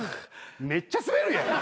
めっちゃスベるやん。